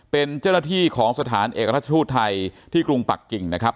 เป็นเจ้าหน้าที่ของสถานเอกราชทูตไทยที่กรุงปักกิ่งนะครับ